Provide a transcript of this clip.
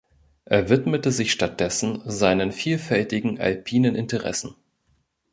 Er widmete sich stattdessen seinen vielfältigen alpinen Interessen.